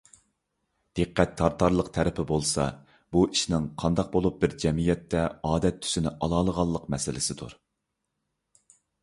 دىققەت تارتارلىق تەرىپى بولسا، بۇ ئىشنىڭ قانداق بولۇپ بىر جەمئىيەتتە ئادەت تۈسىنى ئالالىغانلىق مەسىلىسىدۇر.